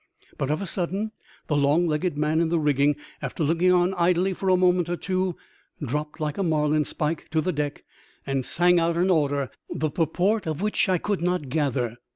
But, of a sudden, the long legged man in the rigging, after looking on idly for a moment or two, dropped like a marline spike to the deck and sang out an order, the purport of which I could not gather.